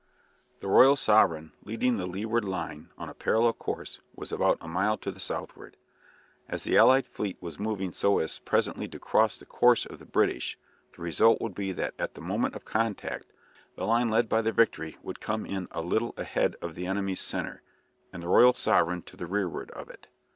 The "Royal Sovereign," leading the leeward line on a parallel course, was about a mile to the southward. As the allied fleet was moving so as presently to cross the course of the British, the result would be that at the moment of contact the line led by the "Victory" would come in a little ahead of the enemy's centre, and the "Royal Sovereign" to the rearward of it.